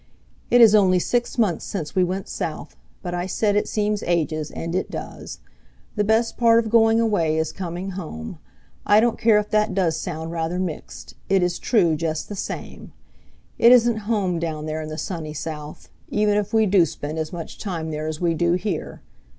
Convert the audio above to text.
"It is only six months since we went south, but I said it seems ages, and it does. The best part of going away is coming home. I don't care if that does sound rather mixed; it is true just the same. It isn't home down there in the sunny South, even if we do spend as much time there as we do here.